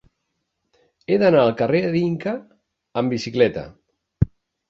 He d'anar al carrer d'Inca amb bicicleta.